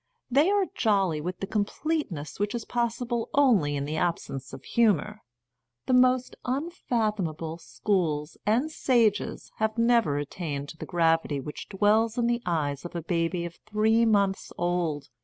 They are jolly with the com pleteness which is possible only in the ab sence of humour. The most unfathomable schools and sages have never attained to the gravity which dwells in the eyes of a baby of three months old.